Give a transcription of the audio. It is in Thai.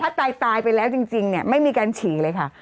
ถ้าตายตายไปแล้วจริงเนี่ยไม่มีการฉี่เลยค่ะ